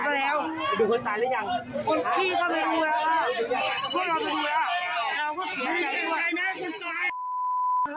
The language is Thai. รับผิดชอบอะไร